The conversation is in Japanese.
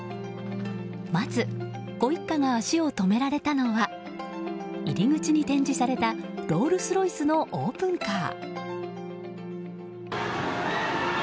まず、ご一家が足を止められたのは入口に展示されたロールスロイスのオープンカー。